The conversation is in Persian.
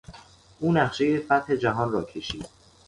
او نقشهی فتح جهان را کشید.